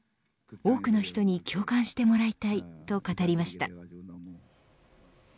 多くの人に共感してもらいたいと語りました。